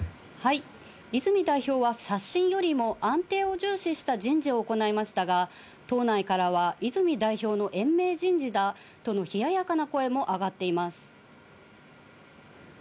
泉代表は刷新よりも安定を重視した人事を行いましたが、党内からは泉代表の延命人事だとの冷ややかな声も上がっています。